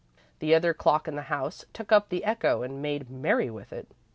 The other clocks in the house took up the echo and made merry with it.